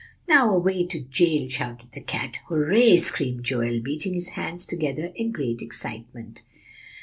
"'Now away to jail!' shouted the cat." "Hooray!" screamed Joel, beating his hands together in great excitement.